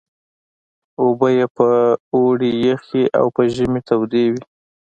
اوبه یې په اوړي یخې او په ژمي تودې وې.